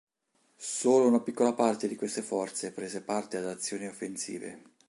Solo una piccola parte di queste forze prese parte ad azioni offensive.